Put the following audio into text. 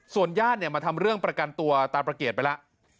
ส่วนญาติเนี่ยมาทำเรื่องประกันตัวตาประเกียร์ไปละ